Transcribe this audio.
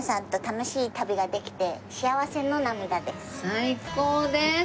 最高です！